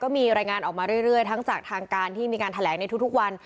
มีรายงานออกมาเรื่อยทั้งจากทางการที่มีการแถลงในทุกวัน